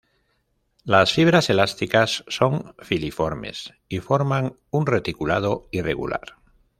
Las fibras elásticas son filiformes y forman un reticulado irregular.